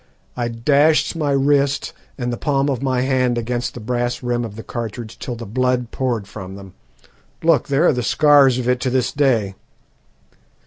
I dashed my wrist and the palm of my hand against the brass rim of the cartridge till the blood poured from them look, there are the scars of it to this day!"